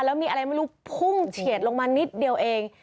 แล้วมีอะไรไม่รู้พุ่งเฉียดลงมานิดเดียวเอง